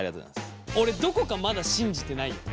俺どこかまだ信じてないよ。